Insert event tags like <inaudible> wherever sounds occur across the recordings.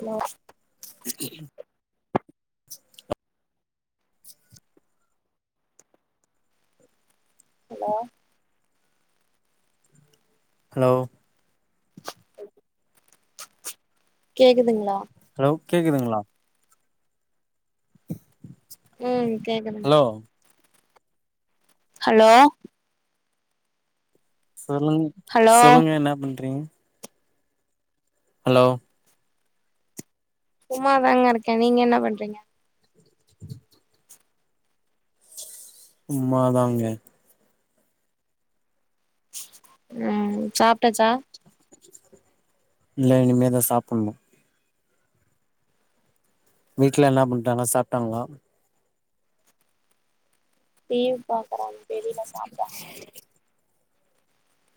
hello <unintelligible> hello hello கேக்குதுங்ளா hello கேக்குதுங்ளா ம் கேக்குது ஹலோ ஹலோ சொல்லுங் ஹலோ சொல்லுங்க என்ன பண்றீங்க ஹலோ சும்மா தாங்க இருக்க நீங்க என்ன பண்றீங்க சும்மா தாங்க ம் சாப்டாச்சா இல்ல இனிமே தா சாப்புன்னு வீட்ல என்ன பண்றாங்க சாப்ட்டாங்ளா டீவி பாக்கறாங்க தெரில சாப்டாங்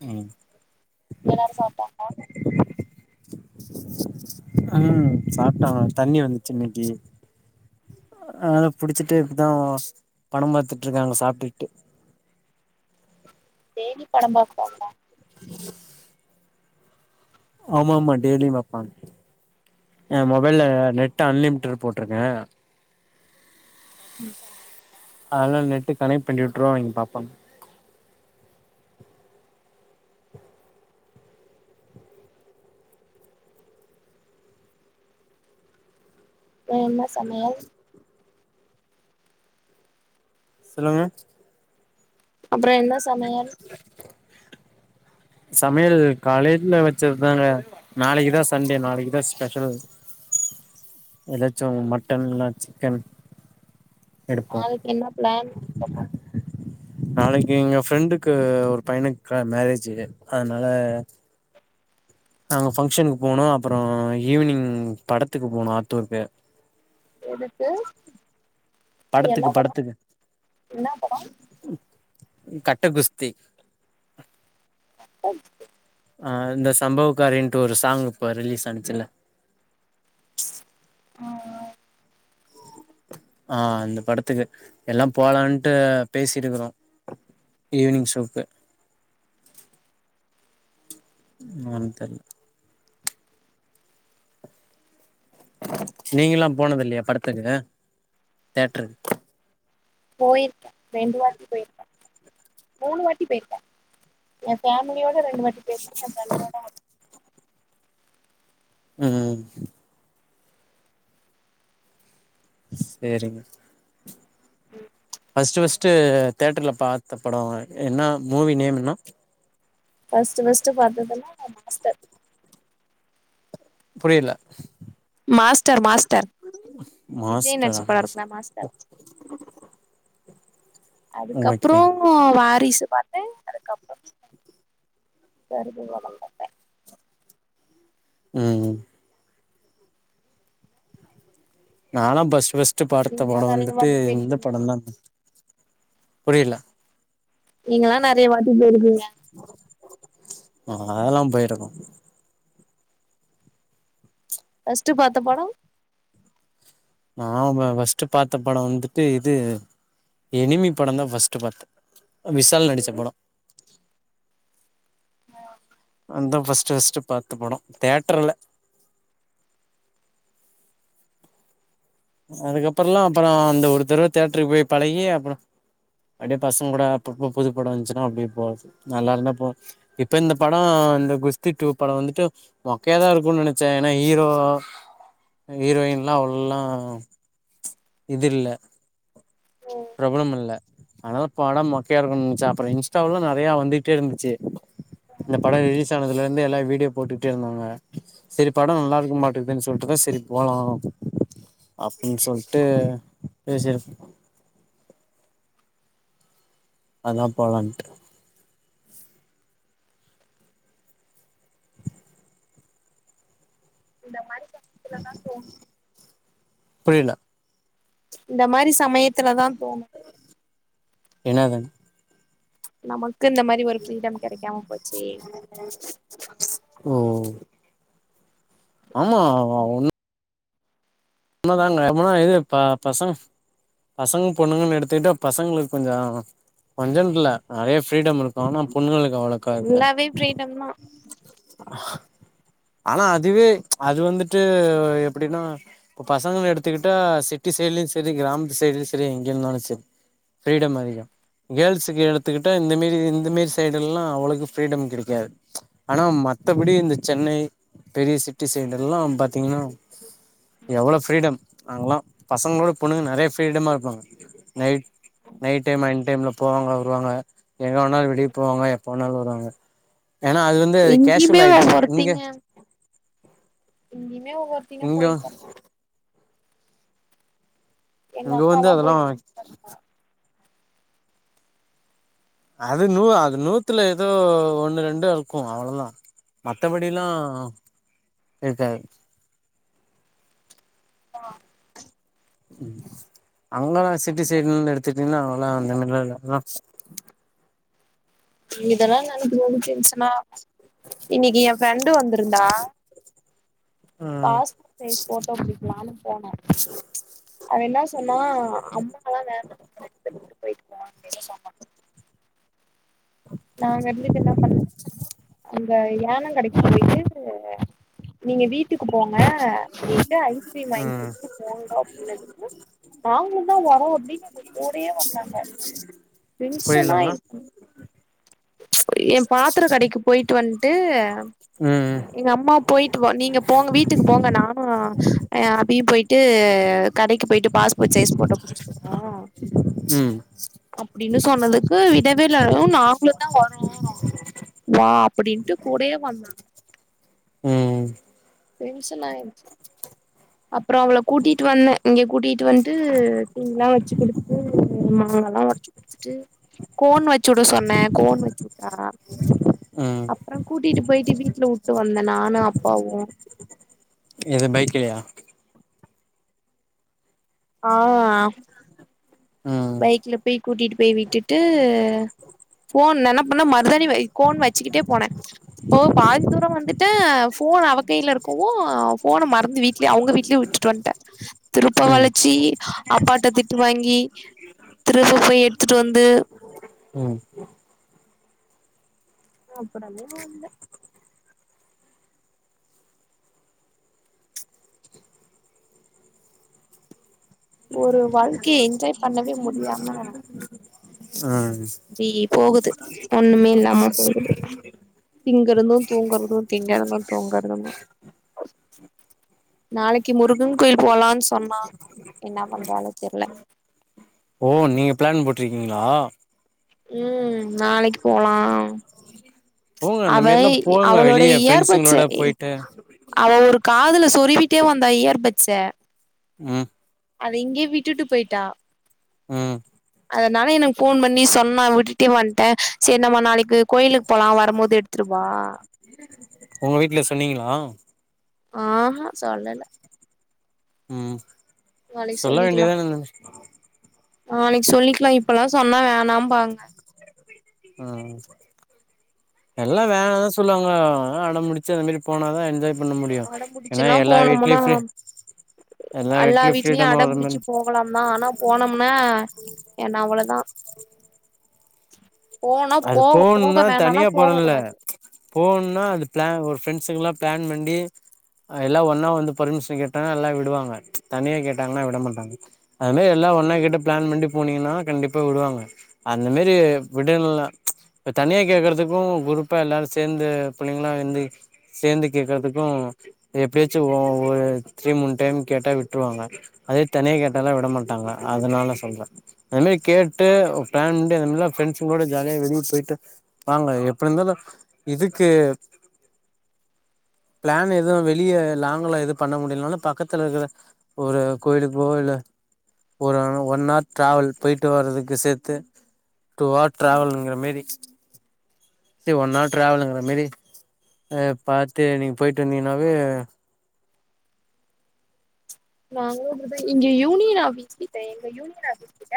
ம் அங்க எல்லாரு சாப்டாங்லா ம் சாப்ட்டாங்க தண்ணி வந்துச்சி இன்னைக்கி அ புடிச்சிட்டு இப்ப தா படம் பாத்துட்டுருக்காங்க சாப்ட்டுட்டு டெய்லி படம் பாப்பாங்ளா ஆமா ஆமா டெய்லியூ பாப்பாங் என் மொபைல நெட்டு் அன்லிமிடட் போட்ருக்க ம் அதெல்லா நெட்டு கனெக்ட் பண்ணி விட்ருவோ அவுங்க பாப்பாங்க ஏன் என்ன சமயல் சொல்லுங்க அப்புறோ என்ன சமயல் சமையல் காலைல்ல வச்சதுதான நாளைக்கு தா சண்டே நாளைக்கு தா ஸ்பெஷல் எதாச்சூ மட்டன் இல்னா சிக்கன் எடுப்போ நாளக்கி என்ன பிளான் நாளைக்கு எங்க ஃப்ரெண்டுக்கு ஒரு பையனுக்கு க மேரேஜி அதனால நாங்க ஃபங்க்ஷனுக்கு போனோ அப்புறோ ஈவினிங் படத்துக்கு போனோ ஆத்தூருக்கு எடுத்து படத்துக்கு படத்துக்கு என்ன படம் ம் கட்ட குஸ்தி ம் ஆ இந்த சம்பவகாரின்ட்டு ஒரு சாங் இப்ப ரிலீஸ் ஆனுச்சுல ஆ ஆ ஆ இந்த படத்துக்கு எல்லா போலான்ட்டு பேசிட்டு இருக்கறோ ஈவ்னிங் ஷோக்கு இன்னொன்னு தெர்ல நீங்கள்லா போனது இல்லயா படத்துக்கு தேட்டருக் போயிருக்கே ரெண்டு வாட்டி போயிருக்க மூணு வாட்டி போயிருக்கே என் ஃபேமிலியோட ரெண்டு வாட்டி போய்ருக்க நல்லதா இருக்கு ம் ம் சேரி ம் ஃபர்ஸ்ட்டு ஃபர்ஸ்ட்டு தேட்டர்ல பாத்த பட என்ன மூவி நேம் என்னா ஃபர்ஸ்ட்டு ஃபர்ஸ்ட்டு பாத்ததுனா மாஸ்டர் புரியல மாஸ்டர் மாஸ்டர் விஜய் நடிச்ச மாஸ்டரா படத்துல மாஸ்டர் அதுக்கப்புறோ ஓகேங்க வாரிசு பா த்து அதுக்கப்புறோ பெரி புள்ளைங்களோட <inaudible> ம் ம் நால்லா ஃபர்ஸ்ட்டு ஃபர்ஸ்ட்டு பார்த்த நீங்கல்லா படம் நெறைய வந்துட்டு வாட்டி போயிருப்பீங்க இந்த படந்தா புரியல நீங்கெல்லா நெறயா வாட்டி போயிருக்குங்க நாங்க அதெல்லா போய்ருக்கோ ஃபர்ஸ்ட்டு பாத்த பட நா வ ஃபர்ஸ்ட்டு பார்த்த படம் வந்துட்டு இது எனிமி படம் தா ஃபர்ஸ்ட்டு பாத்தே விசால் நடிச்ச இந்த படம் அ அந்தா ஃபர்ஸ்ட்டு ஃபஸ்ர்ட்டு பாத்த படோ தேட்டர்ல அதுக்கப்புறல்லா அப்புறோ அந்த ஒரு தடவ தேட்டருக்கு போய் பழகி அப்புறோ அப்பிடியே பசங்க கூட அப்பப்ப புது படோ வந்துச்சுன்னா அப்படிே போறத்து நல்லா இருந்தா போவே இப்ப இந்த படோ இந்த குஸ்தி டூ படம் வந்துட்டு மொக்கையாதா இருக்குன் நெனச்ச ஏனா ஹீரோ அ ஹீரோயின் லா அவ்ள்லா இது இல்ல ம் ப்ரபலம் இல்ல ஆனால படம் மொக்கையா இருக்குன் நென்ச்சா அப்புற இன்ஸ்டாவுலல்லா நெறைய வந்துட்டே இருந்துச்சி இந்த படம் ரிலீஸ் ஆனதுல இருந்தே எல்லா வீடியோ போட்டுட்டே இருந்தாங்க செரி படம் நல்லா இருக்கு மாட்டுக்தேன் சொல்ட்டுதா செரி போலாம் அப்டின் சொல்ட்டு பேசிருப் அதா போலான்ட்டு இந்த மாரி சமயத்துல தா தோனு புரியில இந்த மாரி சமயத்துல தா தோணு என்னாதுங் நமக்கு இந்த மாரி ஒரு ஃப்ரீடம் கெடக்காம போச்சே ஓ ஆமா அ ஒண் எமகாரங்க எ முன்னாடி இது ஆ ிஇதா இப் ஆ பசங்இ இது ப பசங்க பசங்க பொண்ணுங்கன்னு எடுத்துகிட்டா பசங்களுக் கொஞ்ச அ கொஞ்சன் ட்டல்ல நெறைய ஃப்ரீடம் இருக் ஆனா பொண்ணுங்களுக்கு அவ்ளோக்கா இருக்கா ஃபுல்லாவே ஃப்ரீடம் தா ஆனா அதுவே அது வந்துட்டு எப்பிடின்னா இப்ப பசங்கன் எடுத்துக்கிட்டா சிட்டி சைட்லயு செரி கிராமத்து சைட்லயு செரி எங்கிருந்தாலு செரி ஃப்ரீடம் அதிகோ கேர்ள்ஸுக்கு எடுத்துக்கிட்டா இந்த மேரி இந்த மேரி சைடெல்லா அவ்ளோக்கு ஃப்ரீடம் கெடைக்காது ஆனா மத்தபடி இந்த சென்னை பெரிய சிட்டி சைடெல்லா பாத்தீங்கனா எவ்ளோ ஃப்ரீடம் நாங்கலா பசங்களோட பொண்ணுங்க நெறைய ஃப்ரீடமா இருப்பாங்க நைட் நைட் டைம் அன் டைம்ல போவாங்க வருவாங்க எங்க வேணாலு வெளியப் போவாங்க எப்போ வேணாலு வருவாங்க ஏனா அது வந்து எங்கேயுமே கேஷ்வல் ஆயிடுச்சி இங்க இங்கேயுமே ஒவ்வொருத்திங்க இங்க போய்ட்டு தா எங்க இங்க வந்து அக்கால்லா அதெல்லா போயிட்ருந்தா அது நூ அது நூத்துல ஏதோ ஒண்ணு ரெண்டு இருக்கு அவ்ளோதா மத்தபடில்லா இருக்காது ஆ அவங்கெல்லா சிட்டி சைட்ல இருந்து எடுத்துட்டீங்கன்னா அவ்ளதா லிமிட் எல்லா <unintelligible> இதெல்லா நா <unintelligible> துச்சுன்னா இன்னக்கி எ ஃப்ரெண்டு வந்திருந்தா ம் பாஸ்போர்ட் சைஸ் ஃபோட்டோ பிடிக்கலான்னு போனோ அவே என்ன சொன்னா அம்மால்லா வேண்டா ரெண்டு பேரு மட்டு போயிட்டு வரலான் அப்டின்னு சொன்னா நாங்க இந்துட்டு என்ன பண்ணோ அந்த ஏனங் கடைக்கு போயிட்டு நீங்க வீட்டுக்கு போங்க அப்பிடின்ட்டு ஐஸ்கிரீம் வாங்கிக் ம் குடுத்துட்டு போங்க அப்பிடின்னதுக்கு நாங்களு தா வரோ அப்பிடின்னு எங்க கூடயே வந்தாங்க திங்ஸ்ல்லா புரியலங்க எ பாத்திரக் கடைக்கு போயிட்டு வந்துட்டு ம் எங்க அம்மா போயிட்டு வ நீங்க போங்க வீட்டுக்கு போங்க நானு எ அபியு போயிட்டு கடைக்கு போயிட்டு பாஸ்போர்ட் சைஸ் ஃபோட்டோ புடிச்சுட் ஆ ம் அப்பிடின்னு சொன்னதுக்கு விடவே இல்லே ம் நாங்களு தா வரோ வா அப்பிடின்ட்டு கூடயே வந்தாங்க ம் டென்ஷனாயிருச்சு அப்றோ அவளக் கூட்டிட்டு வந்தே இங்க கூட்டிட்டு வந்துட்டு தீனி எல்லாம் வச்சு குடுத்துட்டு மாங்கால்லா வச்சு ட்டு கோன் வச்சு உட சொன்னே கோன் வச்சு உட்டாளா ம் அப்றோ கூட்டிட்டு போயிட்டு வீட்ல விட்டு வந்தே நானு அப்பாவு எது பைக்லியா ஆமா ம் பைக்ல போய் கூட்டிட்டு போய் விட்டுட்டு போன் நா என்ன பண்ண மருதானி கோன் வச்சுிட்டே போனே இப்போ பாதி தூரோ வந்துட்ட போன் அவ கையில இருக்கவு போன மறந்து வீட்லயே அவங்க வீட்லயே விட்டுட்டு வந்துட்டே திருப்ப ம் வளைச்சி அப்பாட்ட திட்டு வாங்கி திருப்ப போய் எடுத்துட்டு வந்து ம் அப்றோ நீ வந்த ஒரு வாழ்க்கைய என்ஜாய் பண்ணவே முடியாம சாரி ஸ் அப்டியே போகுது ஒண்ணுமே இல்லாம போகுது திங்கறதும் தூங்கறதும் திங்கறதும் தூங்கறதமா நாளைக்கு முருகன் கோயில் போலான் சொன்னா என்ன பண்றாலோ தெரில ஓ நீங்க பிளான் போட்டிருக்கீங்களா ம் நாளைக்கு போலா போங்க அந்த அவ மாரிலா போங்க அவளோடைய வெளிய இயர்பட்ஸை ஃப்ரெண்ட்ஸுங்களோட போயிட்டு அவ ஒரு காதுல சொறிவிட்டே வந்தா இயர்பட்ஸ ம் அத இங்கே விட்டுட்டு போயிட்டா ம் அதனால எனக்கு போன் பண்ணி சொன்னா விட்டுட்டே வன்ட்டே சரி நம்ம நாளைக்கு கோயிலுக் போலா வரும்போது எடுத்துட்டுவா உங்க வீட்ல சொன்னீங்களா ஆ ஆ சொல்லல ம் நாளைக்கு சொல்ல சொல்லிக்கலா வேண்டியதான நாளைக்கு சொல்லிக்கலா இப்பல்லாம் சொன்னா வேணாம் பாங்க ஆ எல்லாம் வேண தான் சொல்லுவாங்க அதலாம் அடம் புடிச்சு அந்த மேரி போனாதான் என்ஜாய் பண்ண முடியும் ஏன்னா அடம்புடிச்சுல்லா எல்லா போனோம்னா வீட்லயும் பி எல்லா வீட்லயும் பிரீடம் வர மேர் போலாமா ஆனா போனோம்னா என்ன அவ்ளோ தான் போனா அது போக போக வேணனா போக கூடாது போகணும்னா அது பிள ஒரு ஃப்ரெண்ட்ஸுக்குல்ல பிளான் பண்ணி எல்லாம் ஒன்னா வந்து பர்மிஷன் கேட்டா எல்லாம் விடுவாங்க தனியா கேட்டாங்கன்னா விட மாட்டாங்க அது மேரி எல்லாம் ஒன்னா கிட்ட பிளான் பண்ணி போனீங்கன்னா கண்டிப்பா விடுவாங்க அந்த மேரி விடலனா இப்ப தனியா கேக்குறதுக்கும் குரூப்பா எல்லாரும் சேர்ந்து பிள்ளைங்களாம் இருந்து சேர்ந்து கேக்குறதுக்கும் எப்டியாச்சும் ஒ ஒரு த்ரீ மூணு டைம் கேட்டா விட்டுருவாங்க அதே தனிய கேட்டாலாம் விட மாட்டாங்க அதனால சொல்ற அந்த மேரி கேட்டு பிளான்ட் பண்டு இதமேர் பிரண்ட்ஸ் கூட ஜா லியா வெளிய போயிட்டு வாங்க எப்டி இருந்தாலும் இதுக்கு பிளான் எதுவும் வெளியே லாங்க்லாம் எது பண்ண முடியலனால பக்கத்துல இருக்கிற ஒரு கோயிலுக்கோ இல்ல ஒரு ஒன் ஹார் ட்ராவல் போய்ட்டட்டு வர்துக்கு சேர்த்து டூ ஹார் ட்ராவல்ங்கிற மேரி சரி ஒன் ஹார் ட்ராவலுங்கிற மேரி பார்த்து நீங்கள் போய்ட்டு வந்தீங்கனாவே நாங்களும் அப்டி தான் இங்க யூனியன் ஆபீஸ் கிட்ட எங்க யூனியன் ஆபீஸ் கிட்ட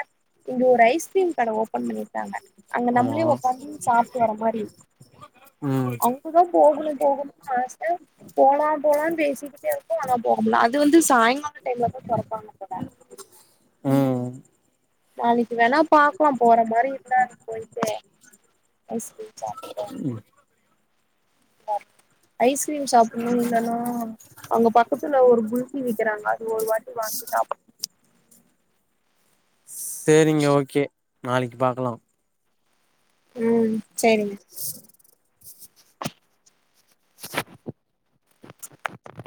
இங்க ஒரு ஐஸ்கிரீம் கட ஓப்பன் பண்ணிருக்காங்க அங்க ஆமா நம்மளே உக்காந்து சாப்ட்டு வர மாரி ம் அவ் உனக்குதான் போகணும் போகணும்ன்னு ஆச போலாம் போலாம்னு பேசிக்கிட்டே இருக்கோம் ஆனா போகமுல்ல அது வந்து சாய்ங்காலம் டைம்லதான் தொரப்பாங்க போல ம் நாளக்கு வேணா பாக்கலாம் போற மாரி இருந்தா அங்க போயிட்டு ஐஸ்கிரீம் சாப்ட்டு ஐஸ்கிரீம் சாப்புன்ணும் இல்லன்னா அவுங்க பக்கத்துல ஒரு குல்பி விக்கிறாங்க அது ஒரு வாட்டி வாங்கி சாப்புன்னும் சேரிங்க ஓகே நாளிக்கி பாக்கலாம் ம் சேரிங்க <inaudible> <inaudible>